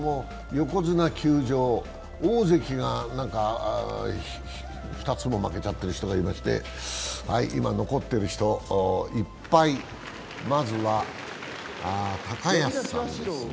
横綱休場、大関が何か２つも負けちゃってる人がいまして、今、残ってる人、１敗、まずは高安さんです。